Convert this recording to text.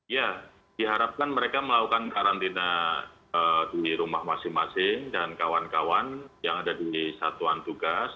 ya diharapkan mereka melakukan karantina di rumah masing masing dan kawan kawan yang ada di satuan tugas